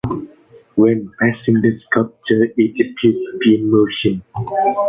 When passing the sculpture, it appears to be in motion.